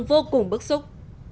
vô cùng bức xúc